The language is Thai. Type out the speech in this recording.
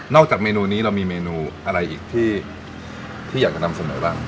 จากเมนูนี้เรามีเมนูอะไรอีกที่อยากจะนำเสนอบ้าง